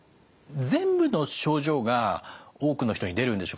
全部の症状が多くの人に出るんでしょうか